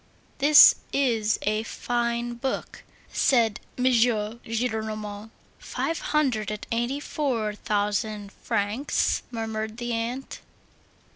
"This is a fine book," said M. Gillenormand. "Five hundred and eighty four thousand francs!" murmured the aunt.